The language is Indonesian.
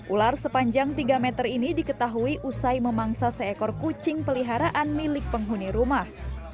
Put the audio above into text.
ular sepanjang tiga meter ini diketahui usai memangsa seekor kucing peliharaan milik penghuni rumah